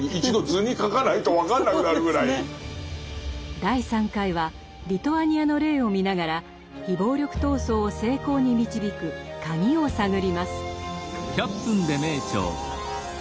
第３回はリトアニアの例を見ながら非暴力闘争を成功に導くカギを探ります。